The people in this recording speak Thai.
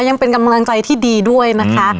ยังเป็นกำลังใจที่ดีด้วยนะคะ